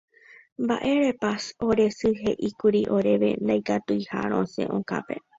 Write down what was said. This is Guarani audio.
Mba'érepa ore sy he'íkuri oréve ndaikatuiha rosẽ okápe